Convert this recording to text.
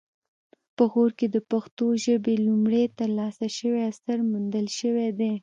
په غور کې د پښتو ژبې لومړنی ترلاسه شوی اثر موندل شوی دی